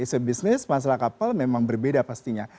tegas masalah bisnis isu bisnis masalah kapal memang berbeda pastinya